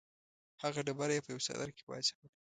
هغه ډبره یې په یوه څادر کې واچوله.